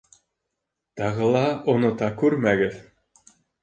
Тағы ла онота күрмәгеҙ...